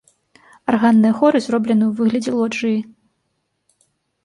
Арганныя хоры зроблены ў выглядзе лоджыі.